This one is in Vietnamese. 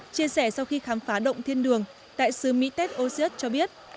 chia sẻ sau khi khám phá động thiên đường đại sứ mỹ tết osius cho biết